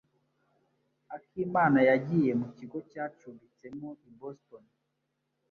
Akimana yagiye mu kigo cyacumbitsemo i Boston.